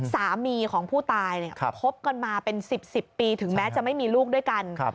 สามีของผู้ตายคบกันมาเป็น๑๐ปีถึงแม้จะไม่มีลูกด้วยกัน